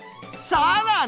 さらに！